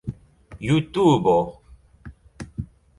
jutubo